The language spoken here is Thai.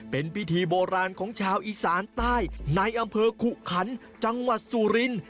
เป็นพิธีโบราณของชาวอีสานใต้ในอำเภอขุขันจังหวัดสุรินทร์